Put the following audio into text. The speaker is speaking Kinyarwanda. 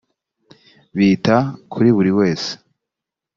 bita kuri buri wese